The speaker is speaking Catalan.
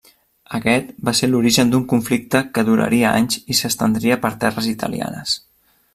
Aquest va ser l'origen d'un conflicte que duraria anys i s'estendria per terres italianes.